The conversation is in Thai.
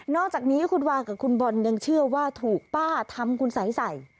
อกจากนี้คุณวากับคุณบอลยังเชื่อว่าถูกป้าทำคุณสัยใส่